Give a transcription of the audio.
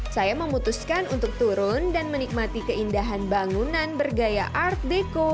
saya memutuskan untuk turun dan menikmati keindahan bangunan bergaya art deco